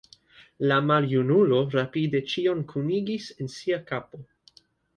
La maljunulo rapide ĉion kunigis en sia kapo.